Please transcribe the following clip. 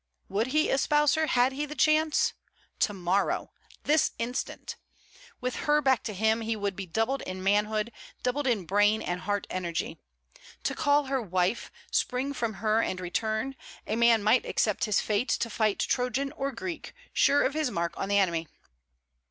Would he espouse her, had he the chance? to morrow! this instant! With her to back him, he would be doubled in manhood, doubled in brain and heart energy. To call her wife, spring from her and return, a man might accept his fate to fight Trojan or Greek, sure of his mark on the enemy.